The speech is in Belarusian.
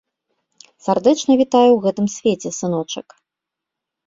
Сардэчна вітаю ў гэтым свеце, сыночак.